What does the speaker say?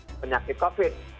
atau sama penyakit covid